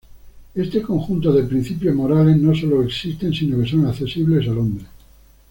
Este conjunto de principios morales no solo existen, sino que son accesibles al hombre.